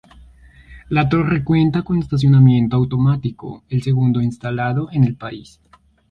La torre cuenta con estacionamiento automático, el segundo instalado en el país.